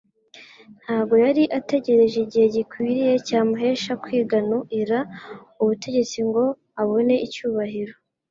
Ntabwo yari ategereje igihe gikwiriye cyamuhesha kwiganu-ira ubutegetsi ngo abone icyubahiro.